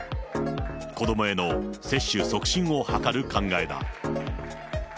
子どもへの接種促進を図る考えだ。